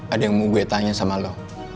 ada yang mau gue tanya sama lo